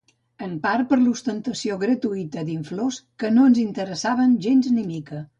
En part per l'ostentació gratuïta d'inflors que no ens interessaven gens ni mica.